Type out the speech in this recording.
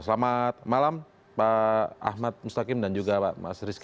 selamat malam pak ahmad mustaqim dan juga pak mas rizky